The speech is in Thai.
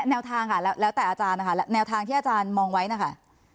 แนวทางค่ะแล้วแต่อาจารย์นะคะแนวทางที่อาจารย์มองไว้นะคะ